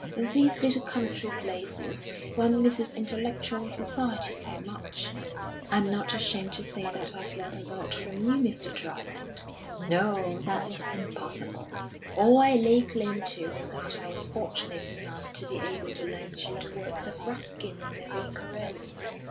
In these little country places one misses intellectual society so much." "I'm not ashamed to say that I've learnt a lot from you, Mr. Dryland." "No, that is impossible. All I lay claim to is that I was fortunate enough to be able to lend you the works of Ruskin and Marie Corelli."